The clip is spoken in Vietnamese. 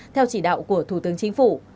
theo chỉ đạo của thủ tướng chính phủ